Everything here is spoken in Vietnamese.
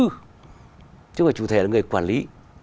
chứ không phải chủ thể là người quản lý